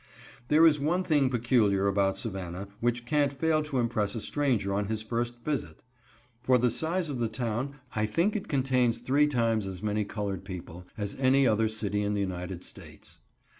There is one thing peculiar about Savannah, which can't fail to impress a stranger on his first visit. For the size of the town, I think it contains three times as many colored people as any other city in the United States.